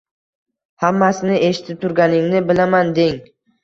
“Hammasini eshitib turganingni bilaman!”, deng.